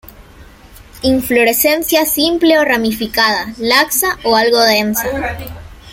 Inflorescencia simple o ramificada, laxa o algo densa.